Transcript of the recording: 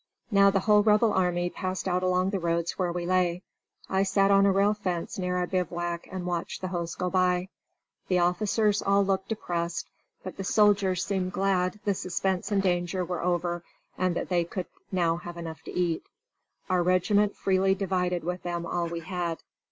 Now the whole Rebel army passed out along the roads where we lay. I sat on a rail fence near our bivouac and watched the host go by. The officers all looked depressed, but the soldiers seemed glad the suspense and danger were over and that now they could have enough to eat. Our regiment freely divided with them all we had.